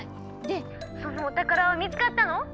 でそのお宝は見つかったの？